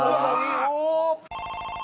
おっ！